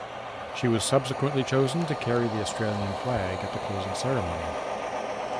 She was subsequently chosen to carry the Australian flag at the closing ceremony.